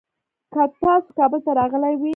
کله تاسو کابل ته راغلې وي؟